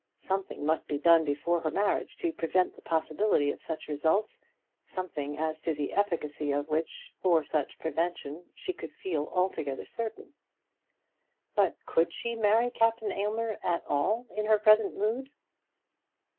Something must be done before her marriage to prevent the possibility of such results, something as to the efficacy of which for such prevention she could feel altogether certain. But could she marry Captain Aylmer at all in her present mood?